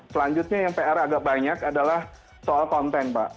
selanjutnya yang pr agak banyak adalah soal konten pak